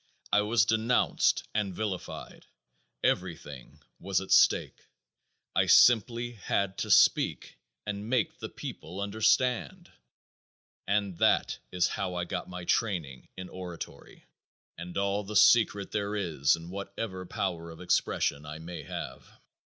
I was denounced and vilified. Everything was at stake. I simply had to speak and make the people understand, and that is how I got my training in oratory, and all the secret there is in whatever power of expression I may have.